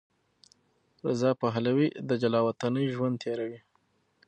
رضا پهلوي د جلاوطنۍ ژوند تېروي.